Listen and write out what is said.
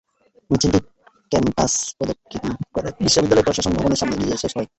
মিছিলটি ক্যাম্পাস প্রদক্ষিণ করে বিশ্ববিদ্যালয়ের প্রশাসন ভবনের সামনে গিয়ে শেষ হয়।